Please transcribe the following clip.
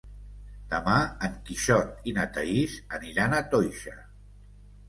Demà en Quixot i na Thaís aniran a Toixa.